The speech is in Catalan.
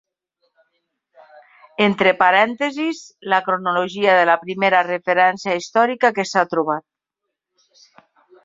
Entre parèntesis, la cronologia de la primera referència històrica que s'ha trobat.